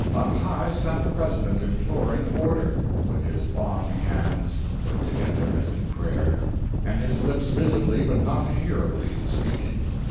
On high sat the President, imploring order, with his long hands put together as in prayer, and his lips visibly but not hearably speaking.